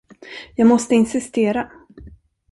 Jag måste insistera.